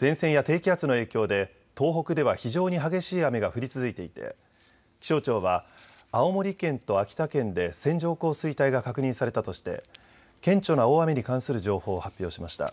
前線や低気圧の影響で東北では非常に激しい雨が降り続いていて気象庁は青森県と秋田県で線状降水帯が確認されたとして顕著な大雨に関する情報を発表しました。